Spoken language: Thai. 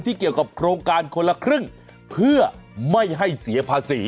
เกี่ยวกับโครงการคนละครึ่งเพื่อไม่ให้เสียภาษี